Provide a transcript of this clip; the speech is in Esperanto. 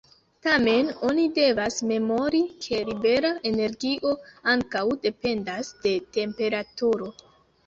Tamen, oni devas memori ke libera energio ankaŭ dependas de temperaturo.